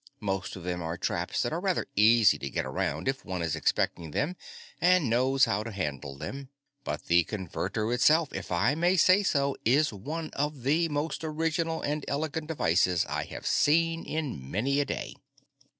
Most of them are traps that are rather easy to get around if one is expecting them and knows how to handle them. But the Converter itself, if I may say so, is one of the most original and elegant devices I have seen in many a day."